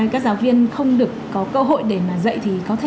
các giáo viên không được có cơ hội để mà dạy thì có thể